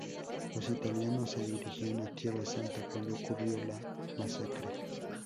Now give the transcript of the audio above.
Los italianos se dirigían a Tierra Santa, cuando ocurrió la masacre.